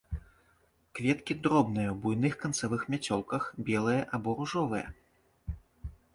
Кветкі дробныя ў буйных канцавых мяцёлках, белыя або ружовыя.